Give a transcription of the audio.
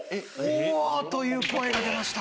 「おおー！」という声が出ました。